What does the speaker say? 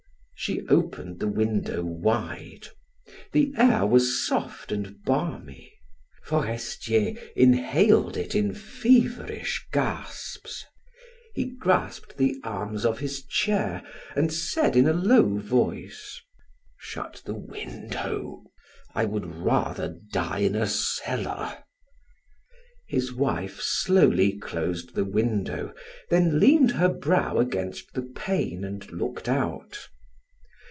She opened the window wide. The air was soft and balmy. Forestier inhaled it in feverish gasps. He grasped the arms of his chair and said in a low voice: "Shut the window. I would rather die in a cellar." His wife slowly closed the window, then leaned her brow against the pane and looked out.